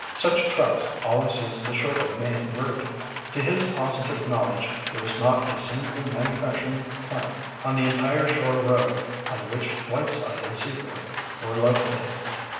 Such trucks always used the shorter main route. To his positive knowledge, there was not a single manufacturing plant on the entire shore road on which Whiteside and Seaford were located.